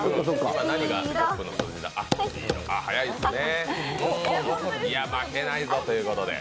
いや、負けないぞということで。